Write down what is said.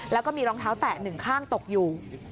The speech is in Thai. แล้วก็มีรองเท้าแตะหนึ่งข้างตกอยู่